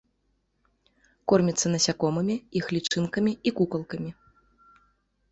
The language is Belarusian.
Корміцца насякомымі, іх лічынкамі і кукалкамі.